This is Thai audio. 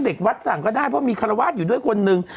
เด็กวัดสั่งก็ได้เพราะมีคารวาสอยู่ด้วยคนหนึ่ง